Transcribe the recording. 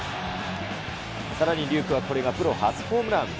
さらに龍空はこれがプロ初ホームラン。